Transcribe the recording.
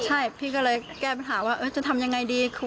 ใช่พี่ก็เลยแก้ปัญหาว่าจะทำยังไงดี